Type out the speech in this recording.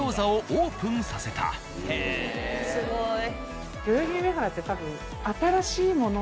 すごい。